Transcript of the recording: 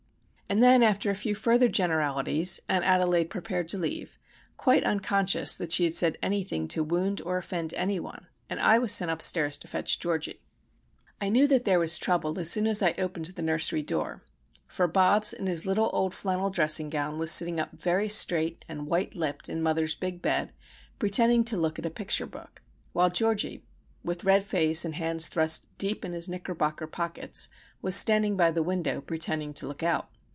And then, after a few further generalities, Aunt Adelaide prepared to leave, quite unconscious that she had said anything to wound or offend any one, and I was sent upstairs to fetch Georgie. I knew that there was trouble as soon as I opened the nursery door. For Bobs in his little old flannel dressing gown was sitting up very straight and white lipped in mother's big bed pretending to look at a picture book; while Georgie, with red face and hands thrust deep in his knickerbocker pockets, was standing by the window, pretending to look out.